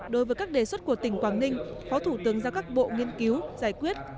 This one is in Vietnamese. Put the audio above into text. đối với các đề xuất của tỉnh quảng ninh phó thủ tướng giao các bộ nghiên cứu giải quyết